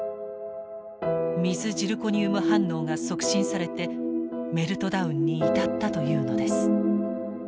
水ジルコニウム反応が促進されてメルトダウンに至ったというのです。